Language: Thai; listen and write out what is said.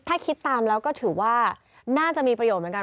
ถ้าคิดตามแล้วก็ถือว่าน่าจะมีประโยชน์เหมือนกัน